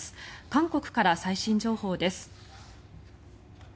韓国から最新情報です。